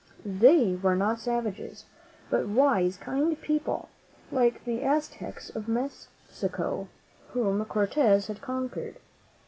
They were not savages, but wise, kind people like the Aztecs of Mexico, whom Cortez had conquered.